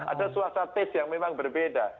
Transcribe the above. ada suasana taste yang memang berbeda